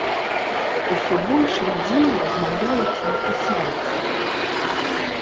Усё больш людзей размаўляюць на трасянцы.